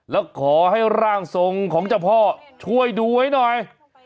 แล้วขอให้ร่างทรงของเจ้าพ่อช่วยดูไว้หน่อย